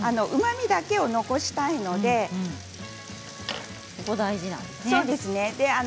うまみだけを残したいのでこれが大事なんですね。